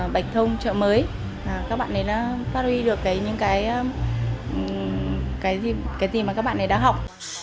điện thông trợ mới các bạn ấy đã phát huy được những cái gì mà các bạn ấy đã học